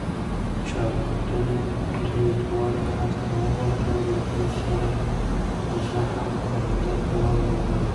چاودنې دوی دواړه هلته وغورځول، له دوی سره زه هم پر مځکه ولوېدم.